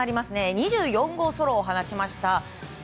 ２４号ソロを放ちました。